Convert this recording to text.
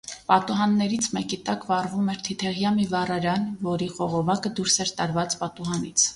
Պատուհաններից մեկի տակ վառվում էր թիթեղյա մի վառարան, որի խողովակը դուրս էր տարված պատուհանից: